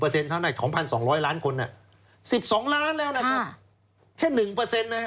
๑เท่านั้นได้๒๒๐๐ล้านคนถึง๑๒ล้านแล้วนะคะ